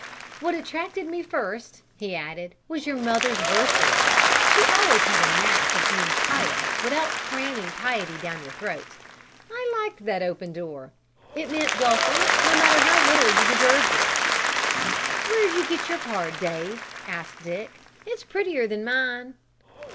"What attracted me first," he added, "was your mother's verses. She always had a knack of being pious without cramming piety down your throat. I liked that open door. It meant welcome, no matter how little you'd deserved it." "Where'd you get your card, Dave?" asked Dick. "It's prettier than mine."